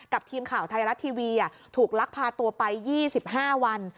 ทีมข่าวไทยรัฐทีวีถูกลักพาตัวไป๒๕วัน